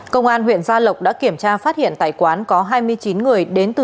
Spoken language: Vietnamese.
công an huyện gia lộc đã kiểm tra phát hiện tại quán có hai mươi chín người đến từ